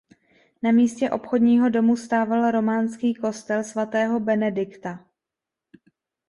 Na místě obchodního domu stával románský kostel svatého Benedikta.